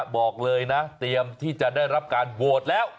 บอกเลยนะเตรียมที่จะได้รับการโหวตแล้ว